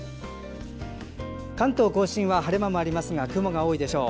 関東・甲信は晴れ間もありますが雲が多いでしょう。